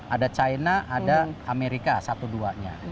ada china ada amerika satu duanya